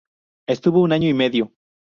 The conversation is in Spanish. Estuvo un año y medio.